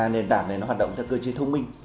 nền tảng này nó hoạt động theo cơ chế thông minh